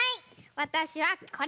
わたしはこれ！